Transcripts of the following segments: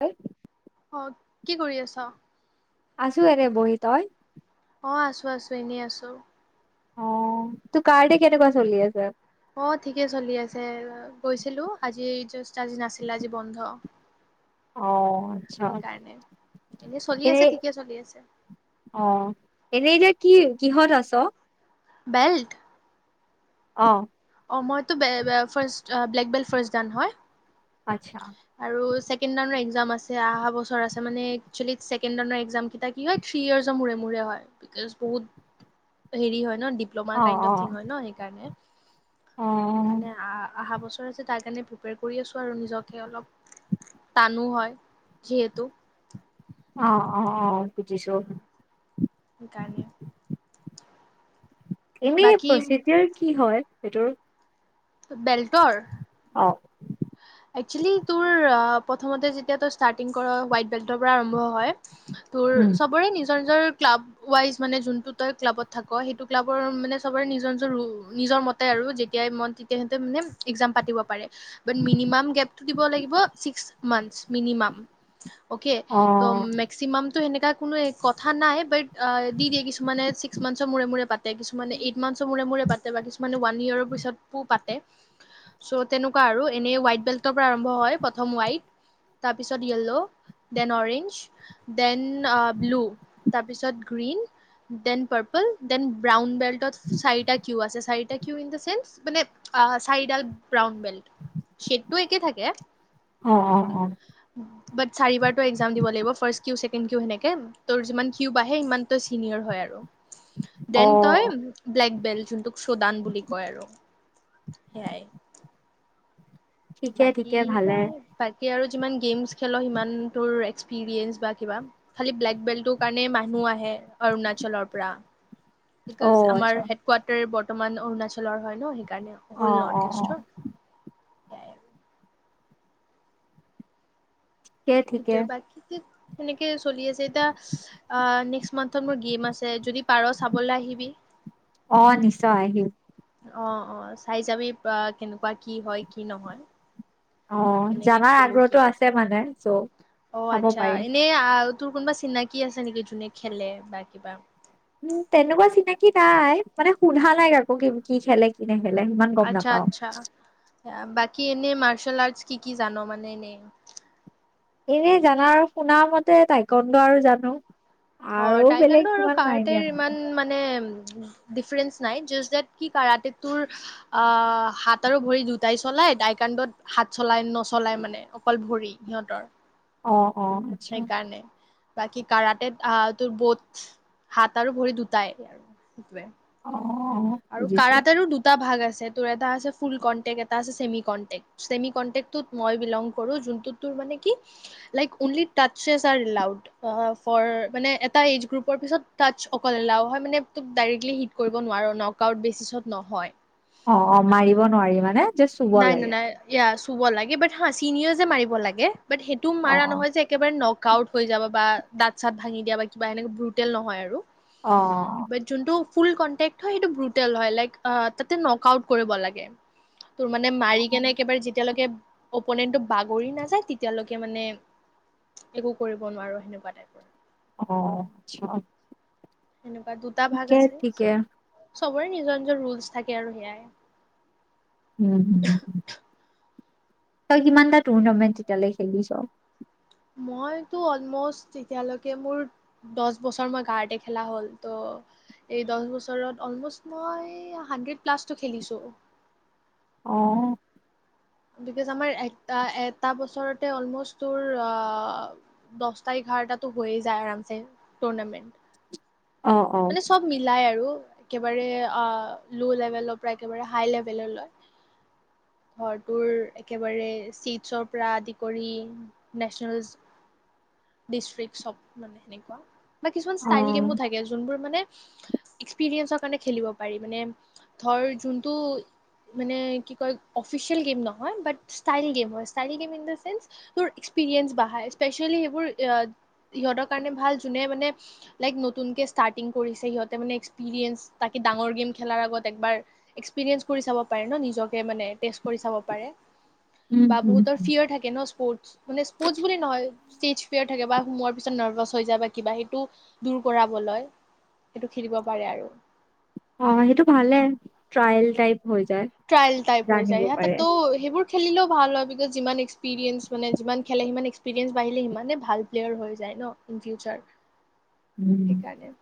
হা। অ কি কৰি আছ। আছো এনে বহি তই অঁ আছোঁ আছোঁ এনেই আছোঁ অ তোৰ কাৰাতে কেনেকুৱা চলি আছে। অ ঠিকে চলি আছে গৈছিলো আজি জাষ্ট আজি নাছিল আজি বন্ধ অ আচ্ছা সেইকাৰণে এনেই চলি এ আছে ঠিকে চলি আছে অ এনে যে কি কিহত আছ বেল্ট। অ অ মইতো বে এ ফাৰ্ষ্ট আহ ব্লেক বেল্ট ফাৰ্ষ্ট ডান হয়। আচ্ছা আৰু ছেকেণ্ড। একজাম আছে আহাবছৰ আছে মানে একচলি ছেকেণ্ড ৰাউণ্ডৰ একজাম কেইটা কি হয় থ্ৰী ইয়েৰ্চৰ মূৰে মূৰে হয় বিকজ বহুত হেৰি হয়। ন diploma O kind O of thing হয় ন সেই কাৰণে অ সেইকাৰণে আহ অহা বস্তু তাৰ কাৰণে প্ৰিপেৰ কৰি আছো আৰু নিজক অলপ টানো হয় যিহেতু অ অ অ। বুজিছো উহ সেইকাৰণে এনেই বাকী প্ৰচিডাৰ কি হয় সেইটো বেল্টৰ অ একচুৱেলি তোৰ প্ৰথমতে যেতিয়া তোৰ ষ্টাৰ্টিং কৰা হোৱাইট বেল্টৰ পৰা আৰম্ভ হয় তোৰ উম চবৰে নিচ। নিৰ নিজৰ ক্লাব ৱাইজ মানে যোনটো তই ক্লাবত থাক সেইটো ক্লাবৰ মানে চবৰে নিজৰ নিজৰ নিজৰ মতে আৰু যেতিয়াই মন তেতিয়াহতে মানে একজাম পাতিব পাৰে ব মিনিমাম গেপ দিব লাগিব ছিক্স মানচ মিনিমাম অকে অ ত মেক্সিম তৌ সেনেকা কোনো কথা নাই বাত দি দিয়ে‌ কিছুমানে‌ চিকচ মনতৰ মুৰে মুৰে পাতে কিছুমানে এয়েত মনতৰ মুৰে মুৰে পাতে কিছুমানে ওৱান ইয়েৰ পাছত ও পাতে চৌ তেনেকুৱা আৰু এনেই হোৱাইট বেল্টৰ পৰা আৰম্ভ হয় প্ৰথম হোৱাইট তাৰপিছত yellow then orange then blue তাৰপিছত green then purple then brown বেল্টত চাৰিটা কিউ আছে চাৰিটা কিউ ইন দ চেন্স মানে চাৰিডাল ব্ৰাউন বেল্ট শেষটো একেই থাকে অ অ অ বাট চাৰিবাৰতটো একজাম দিব লাগিব ফাৰ্ষ কিউ ছেকেণ্ড কিউ সেনেকে ত যিমান কিউ বাঢ়ে সিমানটা চিনিয়ৰ হয় আৰু অ দেন তই ব্লেক। বেল যোনটোক সুদান বুলি কয় আৰু সেইয়াই ঠিকে বাকী ঠিকে ভালে বাকী আৰু যিমান গেমছ খেল সিমান তোৰ এক্সপিৰিয়েঞ্চ বা কিবা খালি ব্লেক বেল্টৰ কাৰণে মানুহ আহে অৰুণাচলৰ পৰা অ বিকজ আমাৰ আচ্ছা হেড কোৱাৰ্টাৰ ব বৰ্তমান অৰুণাচলৰ হয় ন সেইকাৰণে কাৰণে অ হ'ল অ নৰ্থ অ ইষ্টৰ সেয়াই আৰু ঠিকে ঠিকে সেইটোৱে বাকী কি সেনেকে চলি আছে এতিয়া অ নেক্স মান্থত মোৰ গেম আছে যদি পাৰ চাবলৈ আহিবি অ নিশ্চয় আহিম অ অ চাই যাবি পা কেনেকোৱা কি হয় কি নহয় অ কেনেকে জানাৰ খেলো কি আগ্ৰহটো কথা আছে মানে চ' অ চাব আচ্ছা পাৰি এনে তোৰ কোনোবা চিনাকি আছে নেকি যোনে খেলে বা কিবা উম তেনেকোৱা চিনাকি নাই মানে শুধা নাই কাকো কি খেলে কি নেখেলে সিমান গম আচ্ছা নাপাও আচ্ছা বাকী এনেই মাৰচেল আৰ্টচ কি কি জান মানে এনেই এনে জানা আৰু শুনা মতে টাইকনড আৰু জানো অ আৰু বেলেগ টাইকান্ডো আৰু কিমান নাই কাৰাটে দিয়া। ইমান মানে ডিফাৰেঞ্চ নাই জাষ্ট ডেট কি কাৰাতেত তোৰ আহ হাত আৰু ভৰি দুটাই চলাই টিইকান্ডোত হাত চলাই নচলাই মানে অকল ভৰি সিহঁতৰ অ অ', আচ্ছা সেই কাৰণে বাকী কাৰাতে আহ তোৰ বৌথ হাত আৰু ভৰি দুটাই আৰু সেইটোৱে অ', অ আৰু বুজিছো কাৰতেৰো দুটা ভাগ আছে ছে তোৰ এটা আছে ফুল কন্টেক্ট এটা আছে চেমি কন্টেক্ট সেইটোত মই বিলং কৰো যোনটোত তোৰ মানে কি like only touches allowed for মানে এটা এজ গ্ৰুপৰ পিছত টাৰ্চঅকল এলাও হয় মানে তোক ডাইৰেক্টলি হিট কৰিব নোৱাৰ ন কাউট বেচিছত নহয় অ অ মাৰিব নোৱাৰি মানে যে চুব নাই নাই লাগে নাই ইয়াছ চুব লাগে বাট সাঁ চিনআযে মাৰিব লাগে বাট সেইটোও মাৰা অ', নহয় যে একেবাৰে ন কাউট হৈ যাব বা দাঁত চাত ভাঙি দিয়া বা কিবা এনেকে ব্ৰুটেল নহয় আৰু অ বাট যোনটো ফুল কনটেক্ট্ৰ হয় সেইটো ব্ৰুটেল হয় ল তাতে নক আউট কৰিব লাগে তোৰ মানে মাৰি অ', কেনে একেবাৰে যেতিয়ালৈকে অপনেনটো বাগৰি নাযায় তেতিয়ালৈকে মানে একো কৰিব নোৱাৰো সেনেকোৱা টাইপ অ আচ্ছা সেনেকোৱা দুটা ভাগ ঠিকে আছে ঠিকে চবৰে নিজৰ নিজৰ ৰুলচ থাকে আৰু সেয়াই উম উম তোৰ কিমান এটা টুৰ্ণামেণ্ট তেতিয়ালৈ খেলিছ মইতো অলমষ্ট এতিয়ালৈকে মোৰ দহ বছৰ মই কাৰাতে খেলা হ'ল ত' এই দহ বছৰত অলম মই হাড্ৰেড প্লাছটো খেলিছোঁ অ', বিকজ আমাৰ এটা বছৰতে অল মোষ্ট তোৰ দটা এঘাৰটো হৈয়ে যায় আ টুৰ্ণামেন্ট অ', অ', মানে চব মিলাই আৰু একেবাৰে ল' লেভেলৰ পৰা একেবাৰে হাই লেভেল ল ঘৰটোৰ একেবাৰে চিটছৰ পৰা আদি কৰি নেচনেল ডিষ্ট্ৰিক চব মানে সেনেকুৱা বা কিছুমান অ', ষ্টাইল গেমো থাকে বোৰ মানে এক্সপিৰিয়েন কাৰনে খেলিব‌ পাৰি মানে ধৰ যোনতো অফিছেযেলি গেম নহয় বাট ষ্ট গেম তোৰ একস্পিমেন বঢ়া সিহঁত কাৰনে ভাল কোনে লাইক ষ্টাৰ্টি কৰি সিহঁতি মানে এক্সপিৰিয়ে ডাঙৰ গেম খেলাৰ এক্সিৰিয়ে পাৰি চাব পাৰে নিজকে উম, বা উম, বহুতৰ উম। ফিয়ৰ থাকে ন স্পৰ্ট মানে স্পৰ্টছ বুলি নহয় ষ্টেজ ফেয়াৰ থাকে বা সোমোৱাৰ পিছত নাৰ্ভাচ হৈ যায় বা কিবা সেইটো দূৰ কৰাবলৈ সেইটো খেলিব পাৰে আৰু অ সেইটো ভালে ট্ৰায়েল টাইপ হৈ যায়। ট্ৰায়েল টাইপ হৈ জানিব যায় স পাৰে তাতো সেইবোৰ খেলিলেও ভাল হয় বিকজ যিমান এক্সপিৰিয়েঞ্চ মানে যিমান খেলে সিমান এক্সপিৰিয়েন্ঞ্চ বাঢ়িলে সিমানে ভাল প্লেয়াৰ হৈ যায় ন ইন ফিউচাৰ উম সেইকাৰণে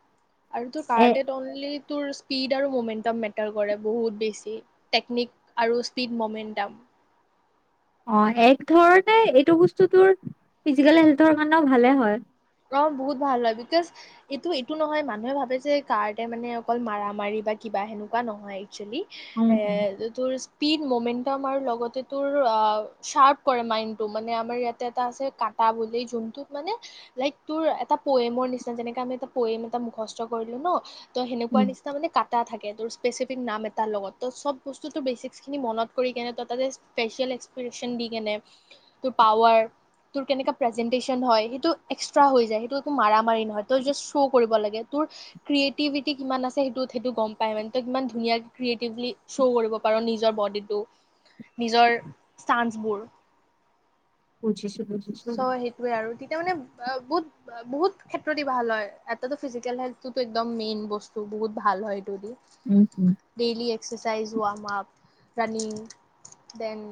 আৰু তোৰ এ কাৰ্ট অনলি তোৰ স্পীড আৰু মমেন্টম মেটাৰ কৰে বহুত বেছি টেকনিক আৰু স্পীড মমেণ্টাম অ এক ধৰণে এইটো বস্তু তোৰ ফিজিকেল হেল্থৰ কাৰণেও ভালে হয় অ বহুত ভাল হয় বিকজ এইটো এইটো নহয় মানুহে ভাবে যে কাৰতে মানে অকল মাৰা মাৰি বা কিবা সেনেকুৱা নহয় উম উম তোৰ স্পিড মোন্তাম আৰু লগতে তোৰ চাৰপ কৰে মাইণ্ডটো মানে আমাৰ ইয়াতে এটা আছে কাটা বুলি যোনটোত মানে লাইক তোৰ এটা পয়েমৰ নিচিনা যেনেকে আমি এটা পয়েম এটা মুখস্থ কৰিলো ন তো সেনেকোৱা উম, নিচিনা মানে কাটা থাকে তোৰ স্পেচিফিক নাম এটা লগত ত চব বস্তু তোৰ বেচিক খিনি মনত কিনে ত তাতে ফেচিয়েল এক্সপ্ৰেচন দি কেনে তোৰ পাৱাৰ তোৰ কেনেক প্ৰেজেন্টেচন হয় সেইটো এক্সট্ৰা হৈ যায় সেইটো একো মাৰ মাৰি নহয় তই জাষ্ট শ্ব' কৰিব লাগে তোৰ ক্ৰিয়েটিভিটি কিমান আছে সেইটো সেইটো গম পাই মান তই কিমান ধুনীয় ক্ৰিয়েটিভলি শ্ব' কৰিব পাৰ নিজৰ বডিটো নিজৰ চানচবোৰ বুজিছো বুজিছো চৌ সেইটোয়ে আৰু তেতিয়া মানে বহুত বহুত ক্ষেত্ৰত দি ভাল হয় এটা ফিজিকেল হলটো একদম মেইন বস্তু বহুত ভাল হয় এইটো দি উম উম ডেইলি এক্সাৰচাইজ হোৱা মপ running then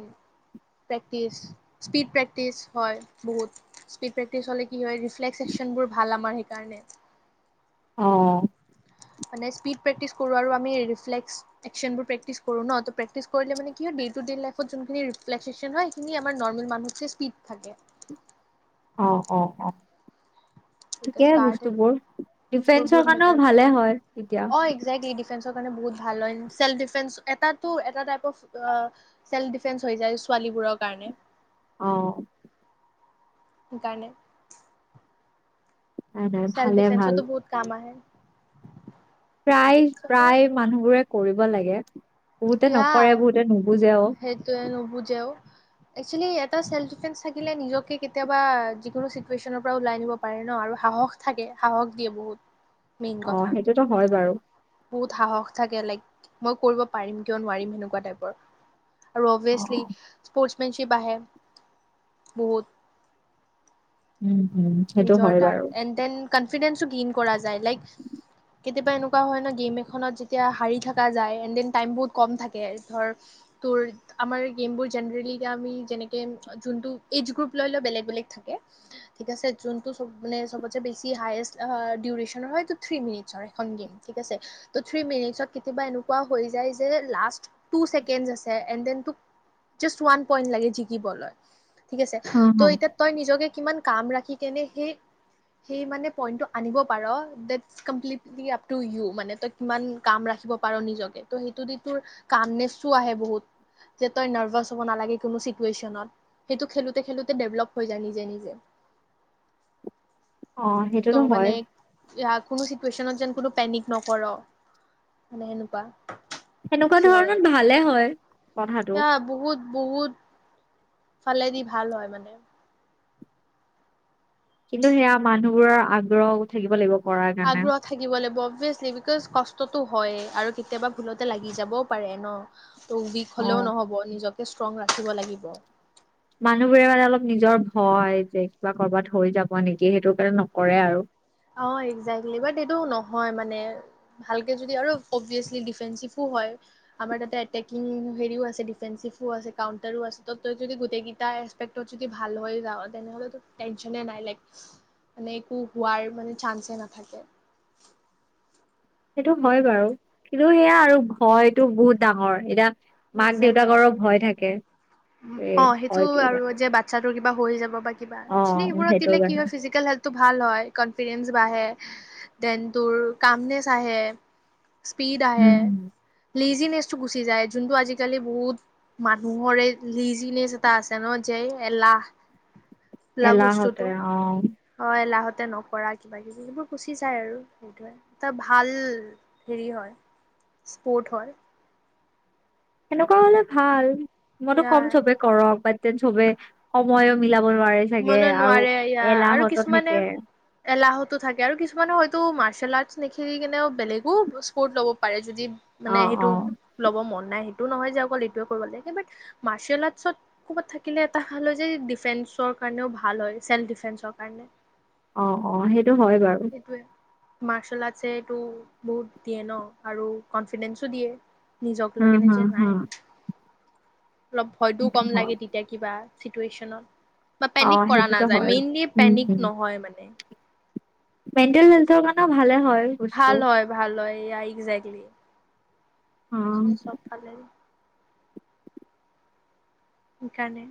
practice speed practice হয় বহুত স্পীড প্ৰেক্টিচ হ'লে কি হয় ৰিফ্লেক্স একচনবোৰ ভাল আমাৰ সেইকাৰণে অহ মানে স্পিড প্ৰেক্টিছ কৰো আৰু আমি ৰিফ্লেশ এক্সনবোৰ প্ৰক্টিচ কৰো ন ত প্ৰেক্টিচ কৰিলে মানে কি হয় দেটো দেটো মানে ইফৰট যুনখিনি ৰেফ্লেক্সেচন হয় সেইখিনি আমাৰ নৰ্মাল মানু্হ স্পিড থাকে অ অ অ এতিয়া ঠিকেই ষ্টাৰ্টেড বস্তুবোৰ সেইবোৰ ডিফেন্সৰ বহুত কাৰনেও মেটাৰ কৰে ভালে হয় এতিয়া অ একজেক্টলি বহুত ডিফেন্সৰ কাৰনে ভাল হয় চেলফ দিফেন্স এটাটো এটা টাইপৰ অ চেলফ ডিফেন্স হৈ যায় ছোৱালীবোৰৰ কাৰণে অহ সেইকাৰণে। নাই নাই চেল্ফ ভালে ভাল ডিফেন্সৰো বহুত কাম আহে। প্ৰায় প্ৰায় মানুহবোৰে। কৰিব লাগে। বহুতে ইয়া নকৰে বহুতে নুবুজেও সেইটো এন নুবুজে ও। একসুৱেলি এটা চেল্ফ ডিফেন্স থাকিলে নিজকে কেতিয়াবা যিকোনো চিটুৱেচনৰ পৰা ওলাই নিব পাৰে ন আৰু সাহস থাকে সাহস দিয়ে বহুত। মেইন অ কথা সেইটোতো হয় বাৰু। বহুত সাহস থাকে লাইক মই কৰিব পাৰিম কিয় নোৱাৰিম সেনেকুৱা টাইপৰ। আৰু অ অভিয়ছলি স্পৰ্ট। স্পেনিচ বাবে বহুত। উম হম সেইটো হয় বাৰু। কনফিডেঞ্চটো গেইন কৰা যায় লাইক কেতিয়াবা এনেকুৱা হয় ন। গেম এখনত যেতিয়া হাৰি থকা যায়। এন দেন টাইম বহুত কম থাকে ধৰ তোৰ আমাৰ গেমবোৰ জেনেৰেলি এতি আমি যেনেকে যোনটো এজ গ্ৰুপ লৈ লৈ বেলেগ বেলেগ থাকে। ঠিক আছে যোনটো চব মানে চবতছে বেছি হায়েষ্ট ডিওৰাচনৰ হয় এইটো থ্ৰি মিনিটচৰ হয় ঠিক আছে। ত থ্ৰি মিনিটচৰ কেতিয়াবা এনেকোঁৱা হৈ যায়। যে লাষ্ট টো ছেকেণ্ড এণ্ড ডেন টো জাস্ত ৱান পইণ্ট লাগে জিকিবলৈ। ঠিক আছে অ অ ত' এতিয়া তই নিজকে কিমান। কাম ৰাখি কেনে সেই সেই মানে পইন্টটো আনিব পাৰ ডট কমপ্লিট আপ টো য়ো মানে তই কিমান কাম ৰাখিব পাৰ নিজকে ত সেইটোদি তোৰ কামনেচো আহে বহুত যে তই নাৰ্ভাচ হব নালাগে। কোনো চিটুৱেচনত সেইটো খেলোতে খেলোতে ডেভলপ হৈ য নিজে নিজে। অ ত' সেইটোতো মানে হয়। কোনো চিটুৱেচনত যেন কোনো পেনিক নকৰ, মানে সেনেকুৱা।। সেনেকুৱা যে ধৰণত ভালে হয় কথাটো। ফালে দি ভাল হয় মানে। কিন্তু সেয়া মানুহ বোৰৰ আগ্ৰহও থাকিব লাগিব। কৰাৰ কাৰণে। আগ্ৰহ থাকিব লাগিব, অভিযেচলি বিকজ কষ্ট টো হয় আৰু কেতিয়াবা ভুলতে লাগি যাবও পাৰে ন। ত বিষ হলেও অ'। নহ'ব নিজক। ষ্ট্ৰং ৰাখিব লাগিব। মানুহবোৰে মানে অলপ নিজৰ ভয়, যে কিবা কৰবাত হৈ যাব নেকি? সেইটো কাৰণে নকৰে আৰু। অ' একজেক্টলি বাট এইটো নহয় মানে ভালকে যদি আৰু অভিয়াচলি ডিফেঞ্চিভো হয়। আমাৰ তাতে এটেকিং হেৰিও আছে, ডিফেঞ্চিভো আছে কাউন্টাৰো আছে ত তই যদি গোটেই কেইটা এপেক্টত যদি ভাল হয় যাও, তেনেহলে টেনচনে নাই লাইক মানে একো হোৱাৰ। মানে চান্সে নাথাকে। সেইটো হয় বাৰু কিন্তু সেয়া আৰু ভয়তটো বহুত ডাঙৰ এতিয়া। মাক দেউতাকৰো ভয় থাকে। উ' এই অ' সেইটো ভয়টোৰ আৰু কাৰণে যে বাচ্ছাটোৰ কিবা। বা হৈ যাব, বা। কিবা অ' অক্সুৱেলি সেইটোৰ দিলে কি কাৰণে। হয় ফিজিকেল হেলথটো ভাল হয়। কনফিডেন্স বাঢ়ে দেন তোৰ কামনেচ আহে। স্পীড আহে,। উম, উম। লেজিনেচটো গুচি যায়, যোনটো আজিকালি বহুত মানুহৰে। লিজিনেছ এতা আছে ন যে এলাহ। বোলা এলাহতে অ', তাতে নকৰা কিবা-কিবি, সেইবোৰ গুচি যায় আৰু সেইটৰে এটা ভাল হেৰি হয় স্পৰ্ট হয়। সেনেকুৱা হলে ভাল। মইতো কম চবে সেইটোৱে কৰক বাত সবে সময়ো মিলাব নোৱাৰাৰে চাগে মানে আৰু নোৱাৰে ইয়া এলাহতো থাকে। টো, থাকে আৰু কিছুমানে হয়তো মাৰ্চেল আৰ্টছ নেখিৰিকেনেও বেলেগো স্পৰ্ট ল'ব পাৰে। যদি অ', মানে সেইটো অ', ল'ব মন নাই, সেই এইটো নহয় যে অকল এইটোৱে কৰিব লাগে। মাৰ্চেল আৰ্টচত ক'বাত থাকিলে এটা ভাল হয় যে ডিফেন্সৰ কাৰণেও ভাল হয়, চেল্ফ-ডিফেন্সৰ কাৰণে। অ'-অ', সেইটো হয় বাৰু। মাৰ্চেল-আৰ্টছেটো বহুত দিয়ে ন আৰু কনফিদেঞ্চো দিয়ে। নিজক হুম, লাগে হুম, নিজে নাই, হুম, অলপ ভয়তো সেইটো কম লাগে হয়। তেতিয়া কিবা, চিটুৱেশ্যনত। বা অ', পেনিক কৰা সেইটোতো নাযায়, হয়। মেইনলি উম, পেনিক হুম নহয় মানে। মেণ্টেল হেল্থৰ কাৰণেও ভালে হয়। বস্তু। ভাল হয় ভাল হয়। এই আগ এ্জে্টল। অ', চবফালে। সেই কাৰণে।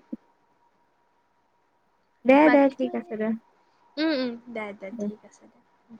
দে দে বাকীতো ঠিক এনে আছে দে। উম উম দে দে ঠিক আছে দে। উম